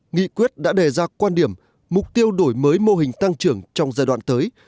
nghị quyết đã đề ra quan điểm mục tiêu đổi mới mô hình tăng trưởng trong giai đoạn tới